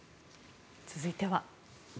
続いては。